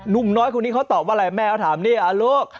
ุ่มน้อยคนนี้เขาตอบว่าอะไรแม่เขาถามเนี่ยลูก